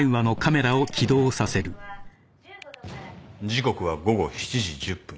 時刻は午後７時１０分。